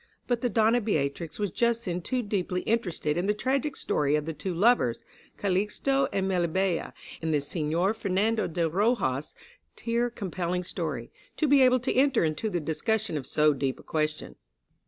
But the Donna Beatrix was just then too deeply interested in the tragic story of the two lovers, Calixto and Melibea, in the Senor Fernando de Rojas' tear compelling story, to be able to enter into the discussion of so deep a question.